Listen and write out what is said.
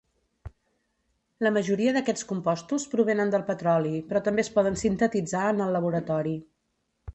La majoria d'aquests compostos provenen del petroli però també es poden sintetitzar en el laboratori.